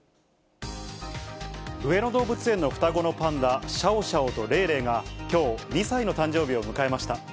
上野動物園の双子のパンダ、シャオシャオとレイレイが、きょう、２歳の誕生日を迎えました。